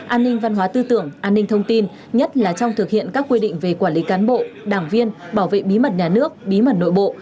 an ninh văn hóa tư tưởng an ninh thông tin nhất là trong thực hiện các quy định về quản lý cán bộ đảng viên bảo vệ bí mật nhà nước bí mật nội bộ